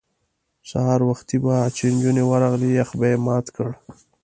سهار وختي به چې نجونې ورغلې یخ به یې مات کړ.